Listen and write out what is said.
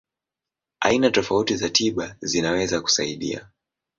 Aina tofauti za tiba zinaweza kusaidia.